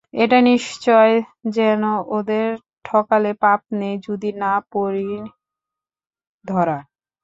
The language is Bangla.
এটা নিশ্চয় জেনো, ওদের ঠকালে পাপ নেই যদি না পড়ি ধরা।